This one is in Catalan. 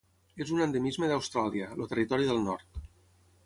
És un endemisme d'Austràlia: el Territori del Nord.